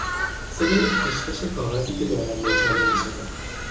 صدای خشخش کاغذی که دارد مچاله میشود